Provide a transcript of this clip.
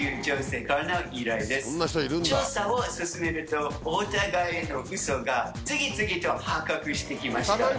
調査を進めると、お互いのウソが次々と発覚してきました。